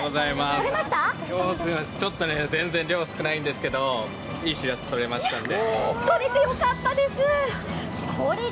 今日は全然量少ないんですけど、いいしらずがとれましたんで。